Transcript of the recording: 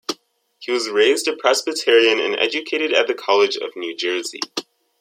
He was raised a Presbyterian and educated at the College of New Jersey.